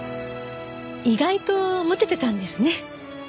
意外とモテてたんですね。